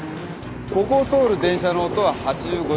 ここを通る電車の音は８５デシベル。